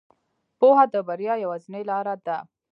پوهه د بریا یوازینۍ لاره ده.